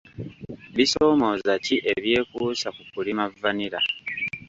Bisoomooza ki ebyekuusa ku kulima vanilla?